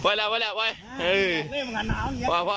ไปแล้ว